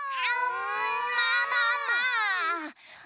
まあまあまあ。